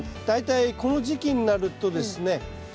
大体この時期になるとですね